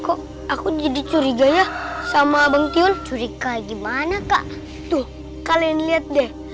kok aku jadi curiga ya sama bang tiul curiga gimana kak tuh kalian lihat deh